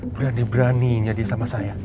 berani beraninya dia sama saya